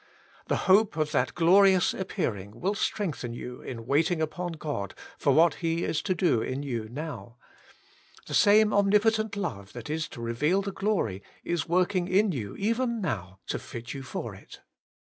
The hope of that glorious appearing will strengthen you in waiting upon God for what He is to do in you now : the same omnipotent love that is to reveal that glory is working in you even now to fit you for it.